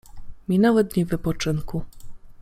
Minęły dni wypoczynku.